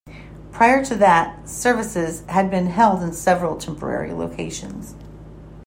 Prior to that, services had been held in several temporary locations.